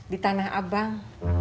di tanah abang